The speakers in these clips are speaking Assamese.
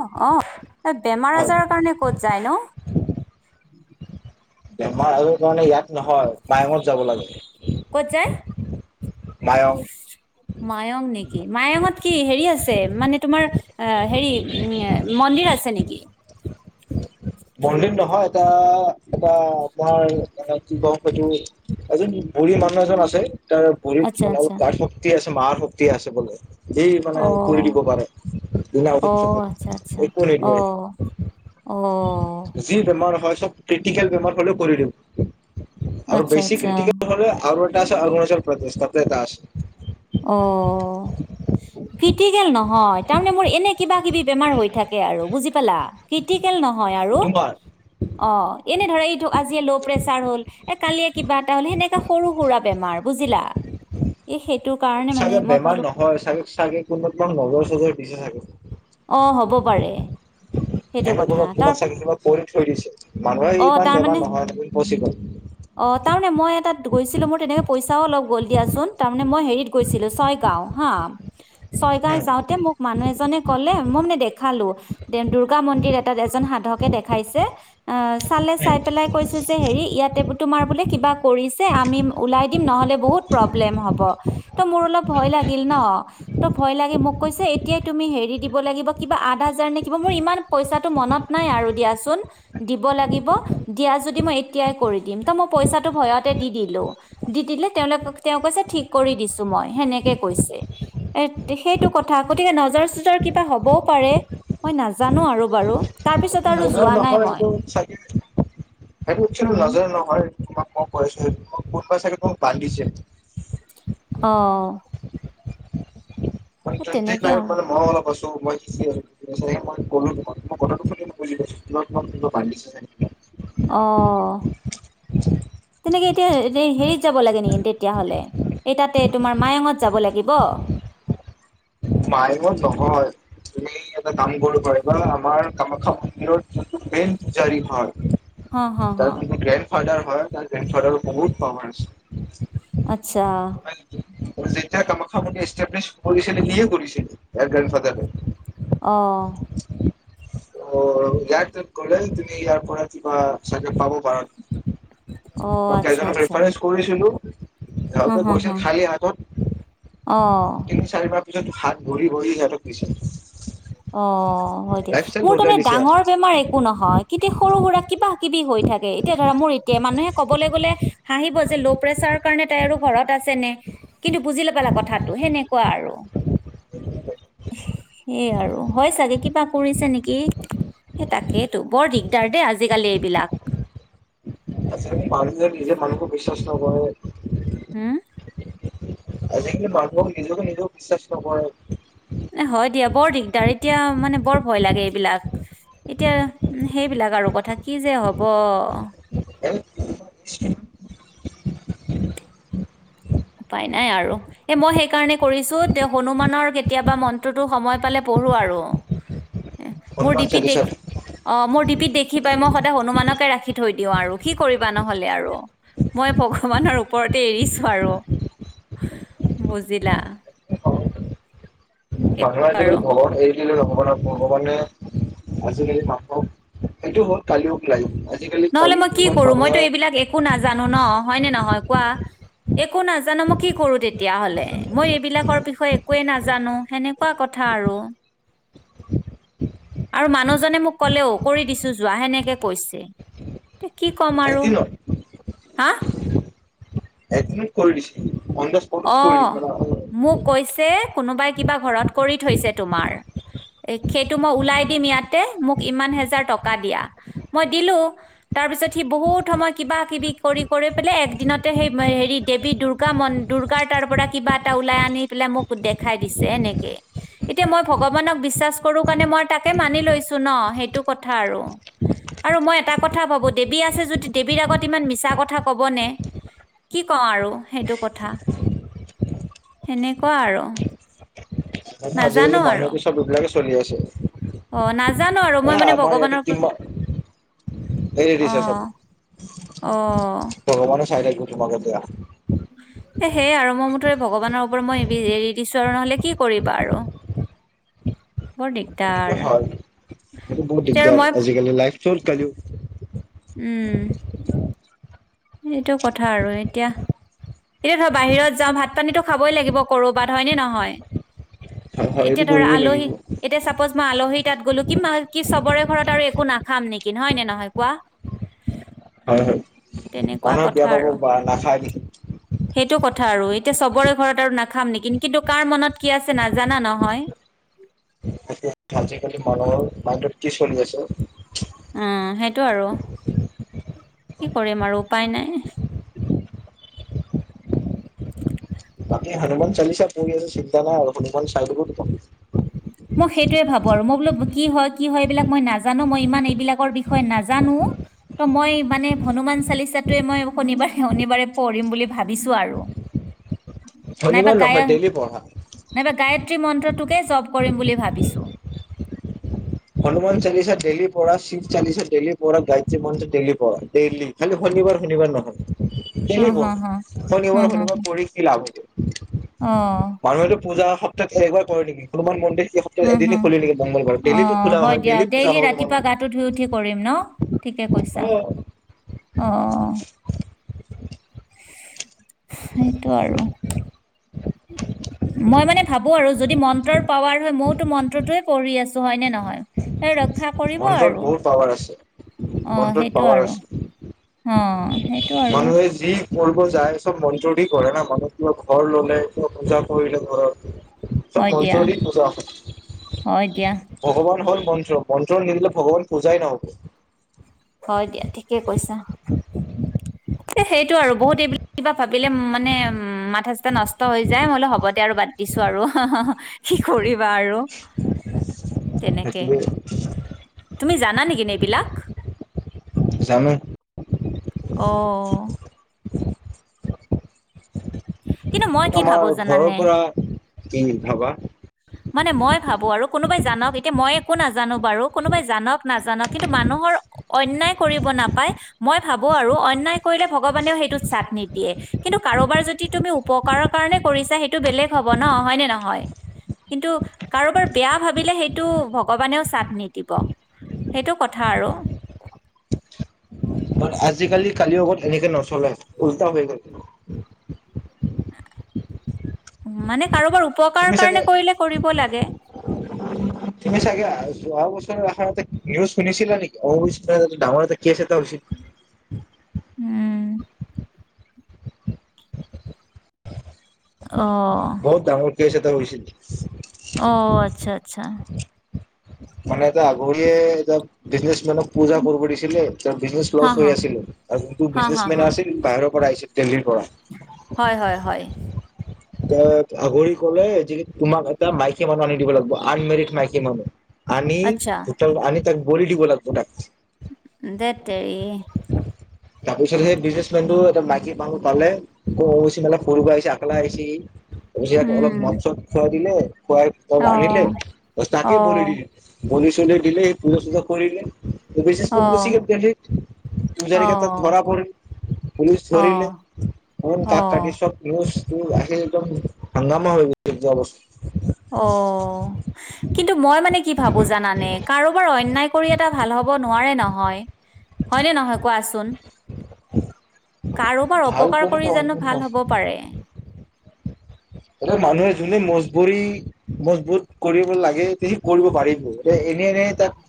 অ অ এই বেমাৰ আজাৰৰ কাৰণে ক'ত যায় ন। বেমাৰ আজাৰ কাৰণে ইয়াত নহয় মায়ঙত যাব লাগে। ক'ত যায়? মায়ং মায়ঙ নেকি? কি মায়ঙত কি হেৰি আছে মানে তোমাৰ অ হেৰি উম মন্দিৰ আছে নেকি বনদিন নহয় এটা এটা আপোনাৰ এ কি ক হয়টো এজন ভঢৰিী মানুহ এজন আছে তাৰ ভৰিত আচ্ছা ফলওঁত আচ্ছা গাত শক্তি আছে মাৰ শক্তিয়ে আছে বোলে এই মানে অ কৰি দিব পাৰে লীনা অ আচ্ছা আচ্ছা [unintelligible] একো অ নিদিয়ে অ যি বেমাৰ হয় ক্ৰটিক বেমাৰ হলেও কৰি দিব আৰু আচ্ছা বেছি আচ্ছা ক্ৰিটিকেল হলে আৰু আছে অৰুণাচল প্ৰদেশ তাতেই এটা আছে। অ কি নহয় তাৰে মোৰ এনে কিবা কিবি বেমাৰ হৈ থাকে আৰু ব নহয় আৰু তোমাৰ অ এনে ধৰা এইটো আজিয়ে ল' প্ৰেচাৰ হল এ কালি এটা কিবা এটা হল সেনেকে সৰু সৰা বেমাৰ‌ বুজিলা এ সেই চাগে বেমাৰ নহয় চাগে চাগে কোনোবাই নজৰ চজৰ দিছে চাগে অ হ'ব পাৰে। সেইটো কথা [unintelligible] তাৰ তোমাক‌ চাগে কিবা কৰি থৈ দিছে মানুহে অ ইমান তাৰমানে বেমাৰ নহয় ইম্পচিবল। অ তাৰমানে মই এটাত গৈছিলো মোৰ তেনেকে পইচাও অলপ গ'ল দিয়াচোন তাৰ মানে মই হেৰিত গৈছিলো ছয়গাও হা ছয়গাঁৱ উম, যাওঁতে মোক মানুহ এজনে কলে মই মানে দেখালো দুূৰ্গা মন্দিৰ এটাত এজন সাধকে দেখাইছে আ চালে চাই পেলাই কৈছে যে‌ হেৰী ইয়াতে তোমাৰ বোলে কিবা কৰিছে আমি ওলাই দিম নহ'লে বহুত প্ৰবলেম হ'ব টো মোৰ অলপ ভই লাগিল ন টো ভই লাগি মোক কৈছে এতিয়াই‌ তুমি হেৰীত ম ই পইচাটো মনত ন আৰু দাোন দিব লাগ দ য মই এতিয়াই কৰি দিম মই পইচাটো ভয়তে দি দিলো দি দিলে তেওঁ কৈ িক কৰি দিছো মই সেনেকে কৈ সেইটো কথা গকে ন প মই নানো আৰু ব তপিছ নজৰ নকৰে এইটো চাগে সেইটো কি উম নজৰ নহয় তোমাক কম [unintelligible] কোনোবাই চাগে তোমাক বান্ধিছে অ [inaudible] তেনেকে কণ্টিতিবাই আৰু মানে মন বোলা বস্তু মই মই কলো তোমাক মই কথাটো শুনি ল প [unintelligible] অ তেনেকে এতিয়া এতিয়া হেৰিত যাব লাগে নেকি তেতিয়াহলে এই তাতে তোমাৰ মায়ঙত যাব লাগিব? মায়ে মত নহয় তুমি এটা কাম কৰিব পাৰে বা আমাৰ কামাখ্যান্দিৰৰ যিটো মেইন পুজাৰি হয় হ হ হ ফডাৰ হয় তাৰ জেন ফডাৰ বহুত খাৰ আছে আচ্ছা যেতিয়া কামাখ্যা মন্দিৰ [unintelligible] কৰি [unintelligible] কৰিছিল ইয়াৰ গ্ৰণ্ড ফাদাৰ অহ অ ইয়াত কলে তুমি ইয়াৰ পৰা কিবা চাগে পাব পাৰা। অ মই আচ্ছা কেইজনক আচ্ছা ৰেফাৰেঞ্চ কৰিছিলো। নি হ সিহঁতে হ হ কৈছিল [unintelligible] হাতত অ তিনি চাৰিবাৰ পিছত ভাত ভৰি ভৰি সিহতক দিছে অ হয় দিয়া লাইফ ষ্টাইল মোৰ বদলাই তাৰমানে দিছে ইয়াত ডাঙৰ বেমাৰ একো নহয় কেতিয়া সৰু সুৰা কিবা কিবা [unintelligible] কি হৈ থাকে এতিয়া ধৰা মোৰ এতিয়াই মানুহে ক'বলৈ গ'লে হাঁহিব যে ল' প্ৰেচাৰৰ কাৰণে তাই আৰু [unintelligible] ঘৰত আছে নে কিন্তু বুজি নাপালা কথাটো সেনেকুৱা আৰু সেইয়াই আৰু হয় চাগে কিবা কৰিছে নেকি সেই তাকেইটো বৰ দিগদাৰ দেই আজিকালি এইবিলাক [unintelligible] আচ্ছা পানু যে নিজে মানুহকো বিশ্বাস নকৰে হা আজিকালি মানুহক নিজকে নিজেও বিশ্বাস নকৰে। এ হয় দিয়া বৰ দিগদাৰ এতিয়া মানে বৰ ভয় লাগে এইবিলাক। এতিয়া সেইবিলাক আৰু কথা কি যে হব [inaudible] উপায় নাই আৰু এ মই সেইকাৰণে কৰিছো তেওঁ হনুমানৰ কেতিয়াবা মন্ত্ৰটো সময় পালে পঢ়ো আৰু। [unintelligible] এ মোৰ হনুমান ডিপিত চালিচা দেখি অ মোৰ ডিপিত দেখি পাই মই স [unintelligible] হনুমানকে ৰাখি থৈ দিও আৰু কি কৰিবা নহ'লে আৰু মই ভগৱানৰ ওপৰতে এৰিছো আৰু বুজিলা মানুহে সেইটো আৰু আজিকালি ভগৱান এৰি ভগৱানত ভগৱানে আজিকালি মাকক এইটো হত কালিও লাই নহলে মই কি কৰো মইতো এইবিলাক একো নাজানো ন হয়নে নহয় কোৱা। একো নাজানো মই কি কৰো তে তেতিয়া হলে মই এইবিলাকৰ বিষয়ে একোৱে নাজানো সেনেকুৱা কথা আৰু আৰু মানুহজনে মোক কলেও কৰি দিছো যোৱা সেনেকে কৈছে এয়া কি ক'ম আৰু এদিনত হা একদিনিট কৰি দিছে অন দা স্পটত অ কৰি দিছে মোক কৈছে কোনোবাই কিবা ঘৰত কৰি থৈছে তোমাৰ সেইটো মই ওলাই দিম ইয়াতে মোক ইমান হেজাৰ টকা দিয়া। মই দিলো তাৰ পিছত সি বহুত সময় কিবা কিবি কৰি কৰি পেলাই একদিনতে সেই হেৰি দেৱী দুৰ্গা মনা তাৰ পৰা কিবা এটা ওলাই আনি পেলাই মোক দেখাই দিছে এনেকে এতিয়া মই ভগৱানক বিশ্বাস কৰো কাৰণে মই তাকে মানি লৈছো ন সেইটো কথা আৰু আৰু মই এটা কথা ভাবো দেৱী আছে যদি দেৱীৰ আগত ইমান মিছা কথা কবনে কি কওঁ আৰু সেইটো কথা সেনেকুৱা আৰু নাজানো আজিকালি আৰু মানুহেতো চব এইবিলাকে চলি আছে। অ নাজানো আৰু এ মই মানে আমাৰ ইয়াতে ভগৱানৰ পৰা কিমান এৰি অ দিছে চব অ ভগৱানে [unintelligible] সেয়ে আৰু ম মই মুঠৰে ভগৱানৰ ওপৰত মই এৰি দিছো আৰু নহলে কি কৰিবা আৰু বৰ দিগদাৰ সেইটে ভাল এইটো বহুত এতিয়া আৰু দিগদাৰ মই আজিকালি লাইফ চুৰ কও উম। এইটো কথা আৰু এতিয়া এতিয়া ধৰ বাহিৰত যাম ভাত পানীতো খাবই লাগিব কৰবাত হয়যনে নহয়? হয় হয় এইটো এতিয়া ধৰা কৰিবই লাগিব আলহী এতিয়া চাপজ মই আলহী তাত গ'লো [unintelligible] চবৰে ঘৰত আৰু একো নাখাম নেকি হয়নে নহয় কোৱা হয় হয়। তেনেকুৱা মানুহে কথা বেয়া পাব আৰু নাখায় দেখি সেইটো কথা আৰু এতিয়া চবৰে ঘৰত আৰু নাখাম নেকি কিন্তু কাৰ মনত কি আছে নাজানা নহয়। আজিকালি মানুহৰ মাইটত কি চলি আছ উম সেইটো আৰু কি কৰিম আৰু উপায় নাই । বাকি হনুমান চালিচা পুৰিছে নাই আৰু মান চাইড কৰিত মই সেইটোয়ে ভাবো আৰু মই বোলো কি হয় কি হয় এইবিলাক মই নাজানো মই ইমান এইবিলাকৰ বিষয়ে নাজানো ত' মই মানে হনুমান চালিচাটোৱে মই শনিবাৰে শনিবাৰে পঢ়িম বুলি ভাবিছো আৰু নাইবা হনুমান নহয় গায়ক ডেইলি পঢ়া নাইবা গায়ত্ৰী মন্ত্ৰত । [unintelligible] কৰিম বুলি ভাবিছো। হনুমান চালিচা ডেইলি পঢ়া শিৱ চালিচা ডেইলি পঢ়া গায়ত্ৰী মন্ত্ৰ ডেইলি পঢ়া ডেইলি খালি শনিবাৰ শনিবাৰ নহয়। হ খেলিব হ হ শনিবাৰ হুম হুম শনিবাৰ হুম পঢ়ি কি লাভ হ'ব? অ মানুহেতো পূজা ত একবাৰ কৰে নীকি হনুমান মন্দিৰ সপ্তাহত উম এদিন হুম [unintelligible] মংগলবাৰ ডেইলী [unintelligible] অ হয় দিয়া ডেইলি ৰাতিপুৱা গাটো ধুই উঠি কৰিম ন ঠিকে কৈছা অ', অঁ সেইটো আৰু মই মানে ভাবো আৰু যদি মন্ত্ৰৰ পাৱাৰ হয় মইওতো মন্ত্ৰটোৱে পঢ়ি আছো হয় নে নহয়। সেই ৰক্ষা কৰিব মন্ত্ৰত আৰু বহুত পাৱাৰ আছে। অ মন্ত্ৰত সেইটো পাৱাৰ আৰু আছে। অ সেইটো আৰু- [unintelligible] ব মনটৰ দি কৰে ন মানুহ কিবা ঘৰ ললে কিবা পূজা কৰিলে ঘৰত হয় চব দিয়া ন পজা হয় দিয়া ভগৱান হ'ল মন্ত্ৰ মন্ত্ৰ নিদিলে ভগৱান পূজাই নহ'ব। হয় দিয়া ঠিকে কৈছা [inaudible] সেইটো আৰু বহুত এইবিলাক কিবা ভাবিলে মানে উ মাথা চটা নষ্ট হৈ যায় মইলো হবতে আৰু বাদ দিছো আৰু কি কৰিবা আৰু তেনেকে সেইটোৱে তুমি জানা নেকিন এইবিলাক জানো। অ কিন্তু মই কি ভাবো আমাৰ ঘৰৰ জানানে পৰা কিনি ভাবা মানে মই ভাবো আৰু কোনোবাই জানক এতিয়া মই একো না জানো বাৰু কোনোবাই জানক নাজানক কিন্তু মানুহৰ অন্যায় কৰিব নাপায় মই ভাবো আৰু অন্যায় কৰিলে ভগৱানেও সেইটোত চাথ নিদিয়ে কিন্তু কাৰোবাৰ যদি তুমি উপকাৰৰ কাৰণে কৰিছা সেইটো বেলেগ হ'ব ন হয়নে নহয়। কিন্তু কাৰোবাৰ বেয়া ভাবিলে সেইটো ভগৱানেও চাপ নিদিব সেইটো কথা আৰু আজিকালি কালি [unintelligible] আগত এনেকে নচলে উল্টা হৈ গ মানে কাৰোবাৰ উপকাৰ তুমি চাগে কাৰণে কৰিলে কৰিব লাগে। তুমি চাগে [unintelligible] যোৱা বছৰ [unintelligible] নিউজ শুনিছিলা নেকি অ ডাঙৰ এটা কেছ এটা হৈছিল। উম উ অ বহুত ডাঙৰ কেছ হৈছিল অ আচ্ছা আ আচ্ছা মানে এটা আগ [unintelligible] বিজনেছ মানক পূজা কৰিব দিছিলে ত বিজনেচ লছ হা হৈ হা আছিলে আৰু যিটো হা বিজনেচ হা মেন হা আছিল বাহিৰৰ পইছে তেলীৰ হয় হয় হয়। এ আগৰি কলে যে তোমাক এটা মাইকী মানুহ আনি দিব লাগিব আনমেৰিড মাইকী মানুহ। আনি আচ্ছা ভোটেল আনি তা ধৰিদিব লাগিব তাক এ দেেেতৰিি তাৰপিছত সেই বিজনেচমেন টো এটা মাইকী মানুহ পালেি মেলা সৰু আহিছে একলা আহিছেি তাক অলপ মাত চত খুৱাই দিলে খুৱাই তব আনিলে ব তাকে বুলি দিলে বুলি চলে দিলে পুজ চুজ কৰিিলে ত বিছছ প কুছিক কেি পুজাৰগে ত ধৰা পিল পুলি ধৰিলে কাক কাটি সবচ ত আহি একদম হাগামৰ হৈ গৈ যোৱা বস্তু অ কিন্তু মই মানে কি ভাবো জানানে কাৰোবাৰ অন্যায় কৰি এটা ভাল হ'ব নোৱাৰে নহয় হয়নে নহয় কোৱা আছ শন কাৰোবাৰ ভাল অপকাৰ কৰি জানো ভাল হব এতিয়া পাৰে এতিয়া মানুহে যোনে মজবুৰি মজবুত কৰিব লাগে তে কৰিব পাৰিব এ এনে এনে তাক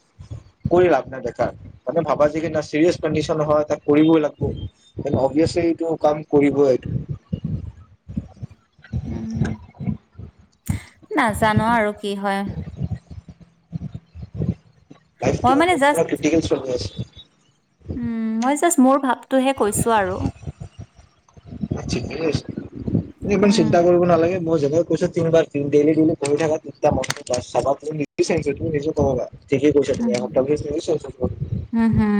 কৰি লাভ নাই বেখ মানে ভাবা যে কি চিৰিয়াচ কণ্ডিচন হয় তাক কৰিবই লাগিব অভিয়াচলি এইটো কাম কৰিবই এইটো উম নাজানো আৰু কি হয় উ মই মানে জাষ্ট ল্ৰটিক চল আছে উম মই জাষ্ট মোৰ ভাব টোহে কৈছো আৰু ব এইবমান উম চিন্তা কৰিব নালাগে মই যেনেক কৈছো তিনিবাৰ দি ডেইি ডেইলি কৰি থাকা তেতিয়া মন চাবাু চি তুমি নিজো ক'বা ঠিক কি উম কৈছ তি উম হম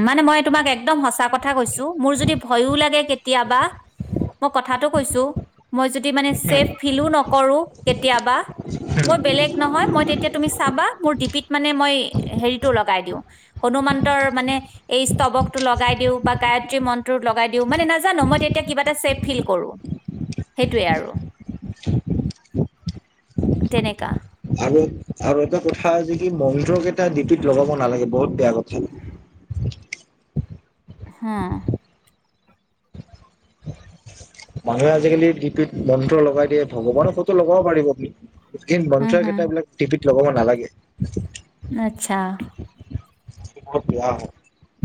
যাব [inaudible] হেৰিতটো লগাই দিওঁ হনুমানন্তৰ মানে এই স্তৱকতটো লগাই দিওঁ বা গায়ত্ৰী মন্ত্ৰ লগাই দিওঁ মানে নাজানো মই তেতিয়া কিব এটাছে ফিল কৰো সেইটোৱে আৰু তেনেকাা আৰু আৰু এটা কথা যে কি মন্ত্ৰকেইটা ডিপিত লগাব নালাগে বহুত বেয়া কথা হা মানুহে আজিকালি লিপিত মন্ত্ৰ লগাই দিয়ে ভগৱানৰ ফটো লগাব পাৰিব নপু হম বনঞ্চোৱা হম কেইটাবিলাক টিপি লগব নালাগে আচ্ছা [inaudible]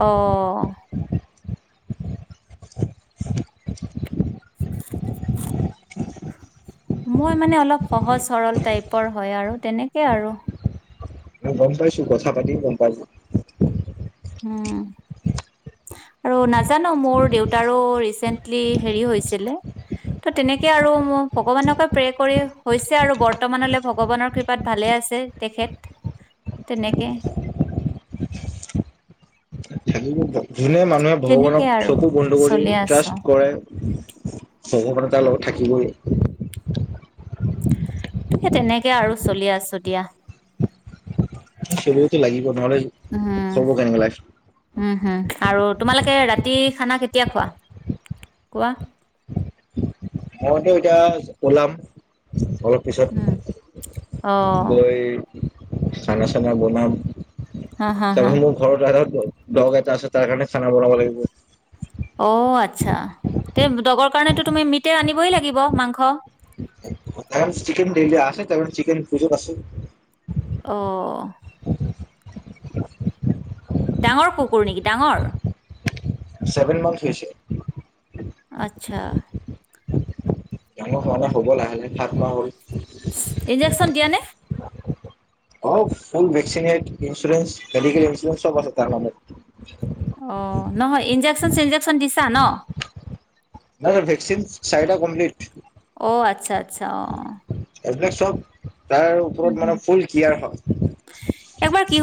অ [unintelligible] [unintelligible] মই মানে অলপ সহজ সৰল টাইপৰ হয় আৰু তেনেকে আৰু ম গম পাইছো কথা পাতিও গম পাইছো । উম । আৰু নাজানো মোৰ দেউতাৰো ৰিচেন্টলি হেৰি হৈছিলে ত তেনেকে আৰু ম ভগৱানকে প্ৰে কৰি হৈছে আৰু বৰ্তমানলৈ ভগৱানৰ কৃপাত তালে আছে তেখেত তেনেকে খেল যোনে মানুহে তেনেকে ভগৱানক আৰু চকু বন্ধু কৰি চলি আছো ট্ৰাষ্ট কৰে ভগৱততাৰ লগত থাকিবই স তেনেকে আৰু চলি আছো দিয়া চলিবতো লাগিব নহ'লে উম চলিব কেনেকে লাইফ উম হম আৰু তোমালোকে ৰাতি খানা কেতি কয়া কোৱা কোৱা মতে তিয়া ওলাম অলপ পিছত উম অ গৈ খানা চানা বনাম হা হা তাৰ হা পাছত মোৰ ঘৰটোা ধৰো দহগ এটা আছে তাৰ কাৰণে খানা বনাব লাগিব অ আচ্ছা তে দগৰ কাৰণেতো তুমি মিতে আনিবই লাগিব মাংস এ চিকেন ডেইলি আছে ত চিকেন পুজ আছে অ উ ডাঙৰ কুকুৰ নেকি ডাঙৰ ছেভেন মান্থ হৈ হৈছে আচ্ছা ডাঙৰ হোৱা ননা হ'ব লাহে লাহোত খোৱা হ'ল ইঞ্জেকচন দিয়া নে অ চোন ব তেনেট ইন্ঞ্চুৰন্স মেডিকেল ইন্ঞ্চুুৰ চব আছে কাৰ ম মত অ নহয় ইন্জেকচন চিঞ্জেকচন দিছা ন নাই ন ভেকচিন চাৰিটা কমপ্লিট অ আচ্ছা আচ্ছা অ এইবিলাক চব তাৰ ওপৰত মানে ফুল কয়াৰ হয় এবাৰ কি